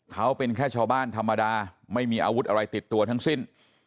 เขาเป็นแค่ชาวบ้านธรรมดาไม่มีอาวุธอะไรติดตัวทั้งสิ้น